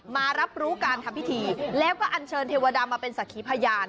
มารับรู้การทำพิธีแล้วก็อันเชิญเทวดามาเป็นสักขีพยาน